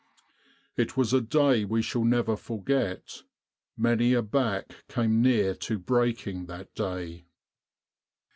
It was a day we shall never forget many a back came near to breaking that day."